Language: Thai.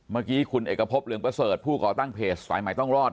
เมื่อกี้คุณเอกพบเหลืองประเสริฐผู้ก่อตั้งเพจสายใหม่ต้องรอด